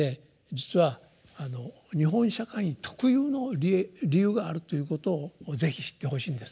実は日本社会特有の理由があるということを是非知ってほしいんですね。